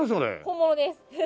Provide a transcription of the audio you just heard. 本物です。